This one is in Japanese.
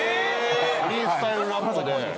フリースタイルラップで。